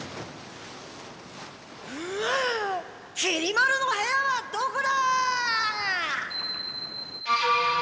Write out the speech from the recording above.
きり丸の部屋はどこだ！